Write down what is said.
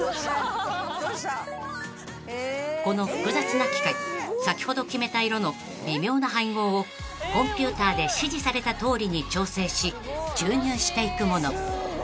［この複雑な機械先ほど決めた色の微妙な配合をコンピューターで指示されたとおりに調整し注入していくもの］